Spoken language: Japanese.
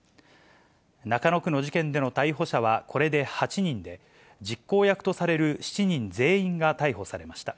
中野区の事件での逮捕者はこれで８人で、実行役とされる７人全員が逮捕されました。